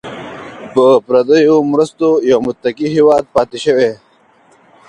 په پردیو مرستو یو متکي هیواد پاتې شوی.